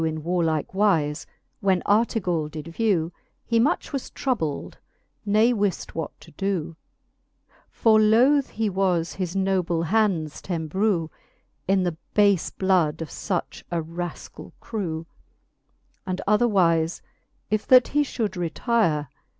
In warlike wife, when Artegall did vew, He much was troubled, ne wift what to doo, For loth he was his noble hands t'embrew In the bafe blood of fuch a rafcall crew j And otherwife, if that he fhould retire.